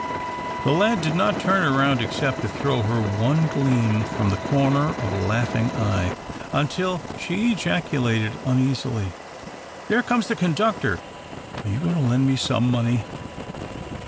The lad did not turn around except to throw her one gleam from the corner of a laughing eye, until she ejaculated uneasily, "There comes the conductor are you a goin' to lend me some money?"